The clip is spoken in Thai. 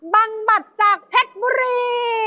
บังบัติจากเทศบุรี